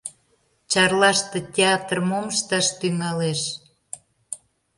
Чарлаште театр мом ышташ тӱҥалеш?